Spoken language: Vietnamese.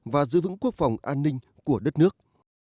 và giữ vững quốc phòng an ninh của đất nước